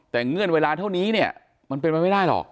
แต่เงื่อนเวลาเท่านี้เนี่ยมันเป็นไปไม่ได้หรอก